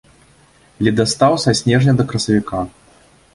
Ледастаў са снежня да красавіка.